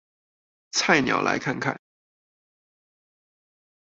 菜鳥來看看